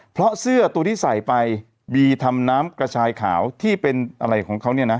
เพราะเสื้อตัวที่ใส่ไปบีทำน้ำกระชายขาวที่เป็นอะไรของเขาเนี่ยนะ